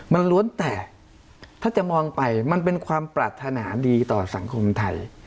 มันล้วนแต่ถ้าจะมองไปมันเป็นความปรารถนาดีต่อสังคมไทย